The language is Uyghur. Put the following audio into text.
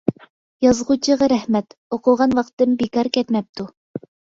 يازغۇچىغا رەھمەت، ئوقۇغان ۋاقتىم بىكار كەتمەپتۇ.